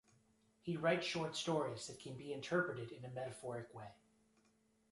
He writes short stories that can be interpreted in a metaphoric way.